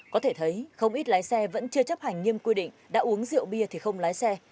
có thể thấy không ít lái xe vẫn chưa chấp hành nghiêm quy định đã uống rượu bia thì không lái xe